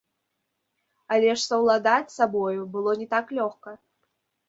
Але ж саўладаць з сабою было не так лёгка.